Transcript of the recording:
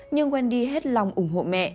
nhưng wendy hết lòng ủng hộ mẹ